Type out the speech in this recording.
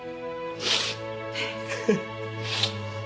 フッ。